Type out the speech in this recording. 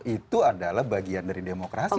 itu adalah bagian dari demokrasi